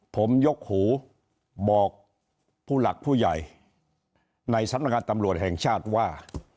ผมยกหูบอกผู้หลักผู้ใหญ่ในสำนักงานตำรวจแห่งชาติว่า